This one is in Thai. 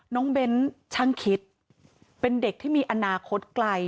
เบ้นช่างคิดเป็นเด็กที่มีอนาคตไกล